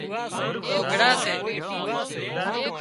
ٽوگھڙا سي